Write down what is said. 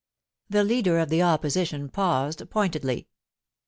The Leader of the Opposition paused pointedly.